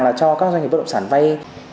là cho các doanh nghiệp bất động sản vay